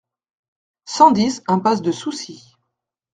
cent dix impasse de Soucy